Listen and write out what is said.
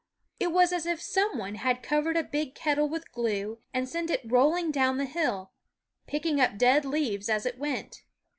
It was as if some one had covered a big kettle with glue and sent it rolling down the hill, picking up dead leaves as it went.